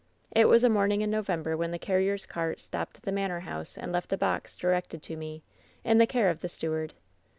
"It was a morning in November when the carrier's cart stopped at the manor house, and left a box directed to me, in the care of the steward.